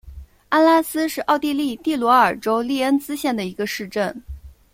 安拉斯是奥地利蒂罗尔州利恩茨县的一个市镇。